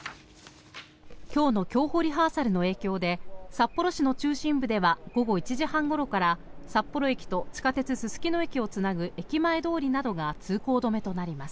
今日の競歩リハーサルの影響で札幌市の中心部では午後１時半ごろから札幌駅と地下鉄すすきの駅をつなぐ駅前通などが通行止めとなります。